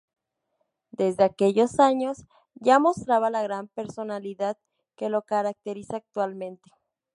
Desde aquellos años ya mostraba la gran personalidad que lo caracteriza actualmente.